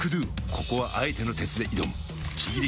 ここはあえての鉄で挑むちぎり